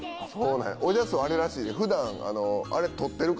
おじゃすはあれらしいで。